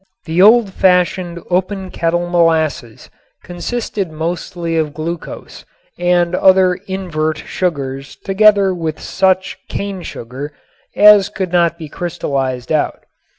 The old fashioned open kettle molasses consisted mostly of glucose and other invert sugars together with such cane sugar as could not be crystallized out.